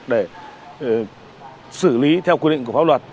để xử lý theo quy định của pháp luật